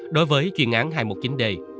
đối với chuyên án hai trăm một mươi chín d